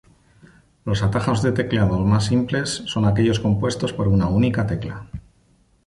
Los atajos de teclado más simples son aquellos compuestos por una única tecla.